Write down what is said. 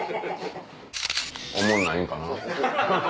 おもんないんかな。